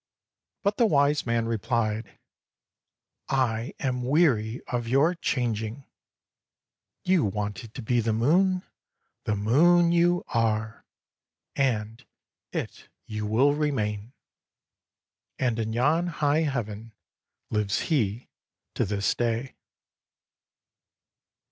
But the wise man replied, "I am weary of your chang ing. You wanted to be the moon; the moon you are, and it you will remain." And in yon high heaven lives he to this day.